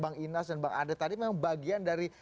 bang inas dan bang andre tadi memang bagian dari